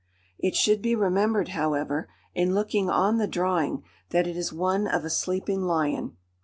It should be remembered, however, in looking on the drawing, that it is one of a sleeping lion.